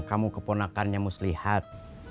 kamu keponakannya muslihat